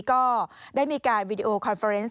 ก็ได้มีการวีดีโอคอนเฟอร์เนส